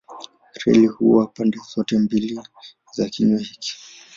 Reli huwa pande zote mbili za kinywa hiki.